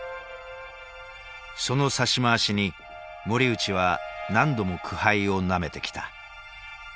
その指し回しに森内は何度も苦杯をなめてきた。